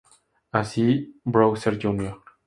Así, Bowser Jr.